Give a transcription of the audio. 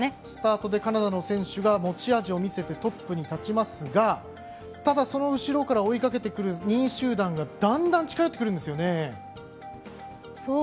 スタートでカナダの選手が持ち味を見せてトップに立ちますがただ、その後ろから追いかける２位集団がだんだん近寄ってくるんですよね。